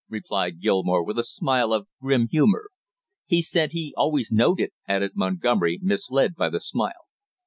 replied Gilmore with a smile of grim humor. "He said he always knowed it," added Montgomery, misled by the smile.